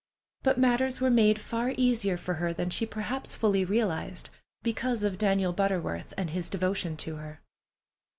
But matters were made far easier for her than she perhaps fully realized, because of Daniel Butterworth and his devotion to her.